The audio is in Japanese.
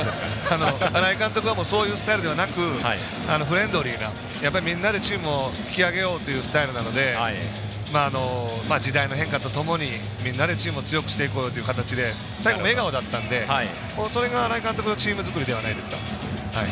新井監督はそういうスタイルではなくフレンドリーなみんなでチームを引き上げようというスタイルなので時代の変化とともにみんなでチームを強くしていこうよという形で最後も笑顔だったのでそれが新井監督のチーム作りではないですか。